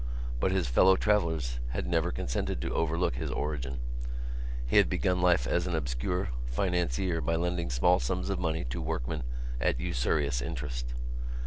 But his fellow travellers had never consented to overlook his origin. He had begun life as an obscure financier by lending small sums of money to workmen at usurious interest.